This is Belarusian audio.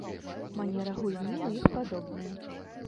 Манера гульні ў іх падобная.